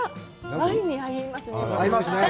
ワインに合いますね。